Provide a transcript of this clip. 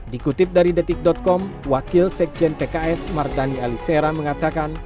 dikutip dari detik com wakil sekjen pks mardani alisera mengatakan